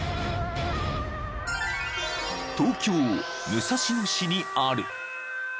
［東京武蔵野市にある］